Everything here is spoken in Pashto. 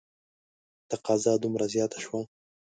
تقاضا دومره زیاته شوه.